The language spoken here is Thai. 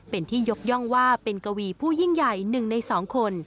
เป็นที่ยกย่องว่าเป็นกวีผู้ยิ่งใหญ่๑ใน๒คน